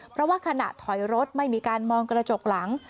เพราะว่าขณะถอยรถไม่มีการมองกระจกหลัง